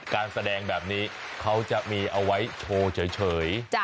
การแสดงแบบนี้เขาจะมีเอาไว้โชว์เฉย